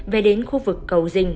về đến khu vực cầu rình